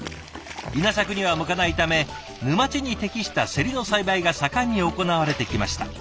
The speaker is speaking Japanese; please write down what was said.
稲作には向かないため沼地に適したせりの栽培が盛んに行われてきました。